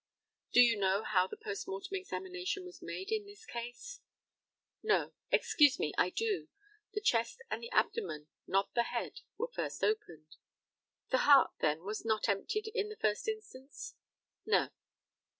Do you know how the post mortem examination was made in this case? No. Excuse me, I do. The chest and the abdomen, not the head, were first opened. The heart, then, was not emptied in the first instance? No.